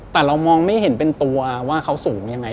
แต่เรามองไม่เห็นเป็นตัวว่าเขาสูงยังไง